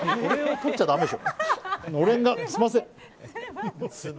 とっちゃだめでしょ。